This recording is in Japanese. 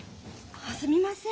すみません。